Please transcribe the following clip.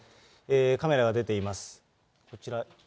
カメラが出ています。